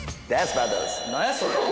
何やそれ！